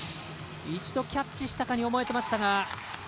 一度、キャッチしたかに思えてましたが。